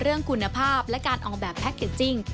เรื่องคุณภาพและการออกแบบแพ็คเกจจิ้ง